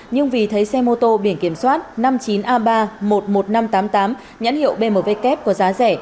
nhưng vì thấy xe mô tô biển kiểm soát năm mươi chín a ba một mươi một nghìn năm trăm tám mươi tám nhãn hiệu bmw kép có giá rẻ